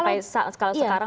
jadi satu negara kalau